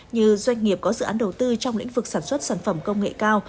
như doanh nghiệp có dự án đầu tư trong lĩnh vực sản xuất sản phẩm công nghệ cao